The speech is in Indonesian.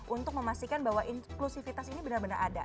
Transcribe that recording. untuk memastikan bahwa inklusivitas ini benar benar ada